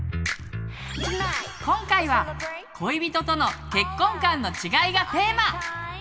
今回は「恋人との結婚観の違い」がテーマ。